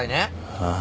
ああ。